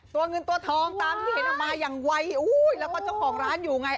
เงินตัวทองตามที่เห็นออกมาอย่างไวแล้วก็เจ้าของร้านอยู่ไง